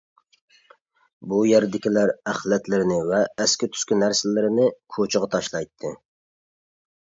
بۇ يەردىكىلەر ئەخلەتلىرىنى ۋە ئەسكى-تۈسكى نەرسىلىرىنى كوچىغا تاشلايتتى.